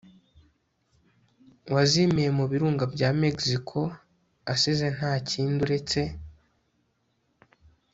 wazimiye mu birunga bya mexico asize nta kindi uretse